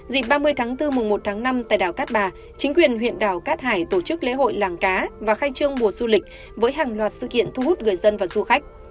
dịp ba mươi tháng bốn mùa một tháng năm tại đảo cát bà chính quyền huyện đảo cát hải tổ chức lễ hội làng cá và khai trương mùa du lịch với hàng loạt sự kiện thu hút người dân và du khách